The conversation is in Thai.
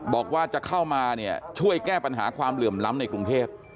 บอกว่าจะเข้ามาเนี่ยช่วยแก้ปัญหาความเหลื่อมล้ำในกรุงเทพ